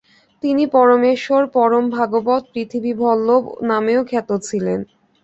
তিনি পরমেশ্বর পরমভাগবত, পৃথিবীবল্লভ নামেও খ্যাত ছিলেন।